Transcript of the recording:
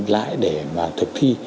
lại để mà thực thi